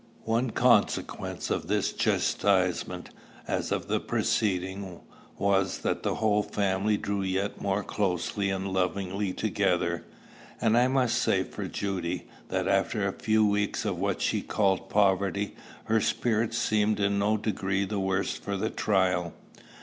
One consequence of this chastisement, as of the preceding, was, that the whole family drew yet more closely and lovingly together; and I must say for Judy, that, after a few weeks of what she called poverty, her spirits seemed in no degree the worse for the trial.